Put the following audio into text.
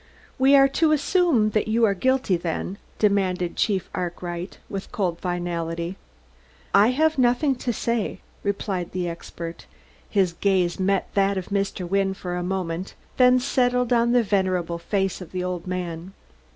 "We are to assume that you are guilty, then?" demanded Chief Arkwright with cold finality. "I have nothing to say," replied the expert. His gaze met that of Mr. Wynne for a moment, then settled on the venerable face of the old man.